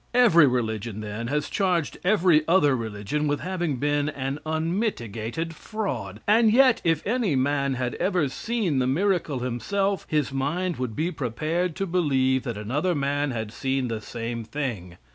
Every religion, then, has charged every other religion with having been an unmitigated fraud; and yet, if any man had ever seen the miracle himself, his mind would be prepared to believe that another man had seen the same thing.